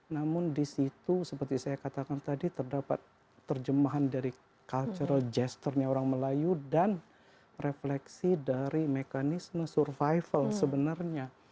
namun di situ seperti saya katakan tadi terdapat terjemahan dari cultural gesternya orang melayu dan refleksi dari mekanisme survival sebenarnya